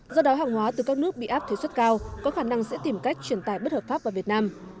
do đó hàng hóa từ các nước bị áp thuế xuất cao có khả năng sẽ tìm cách truyền tài bất hợp pháp vào việt nam